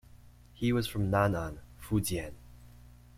He was from Nan'an, Fujian.